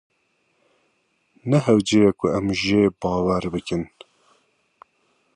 Ne hewce ye ku em jê bawer bikin.